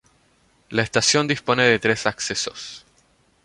La estación dispone de tres accesos.